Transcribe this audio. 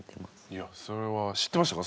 いやそれは知ってましたか？